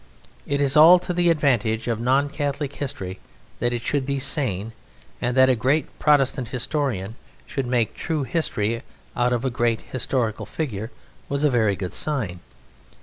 It is all to the advantage of non Catholic history that it should be sane, and that a great Protestant historian should make true history out of a great historical figure was a very good sign.